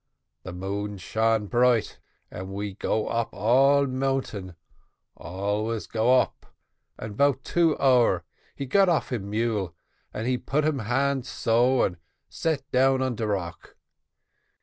"The moon shone bright, and we go up all mountain, always go up, and 'bout two hour, he got off him mule and he put him hand so, and set down on de rock.